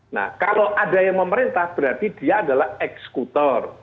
nah kalau ada yang memerintah berarti dia adalah eksekutor